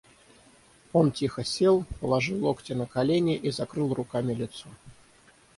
Он тихо сел, положил локти на колени и закрыл руками лицо.